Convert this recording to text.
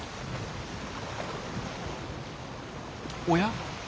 おや？